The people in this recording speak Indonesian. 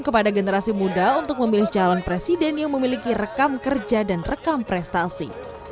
kepada generasi muda untuk memilih calon presiden yang memiliki rekam kerja dan rekam prestasi